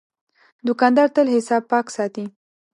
دوکاندار تل حساب پاک ساتي.